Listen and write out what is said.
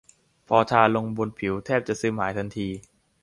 พอทาลงบนผิวแทบจะซึมหายทันที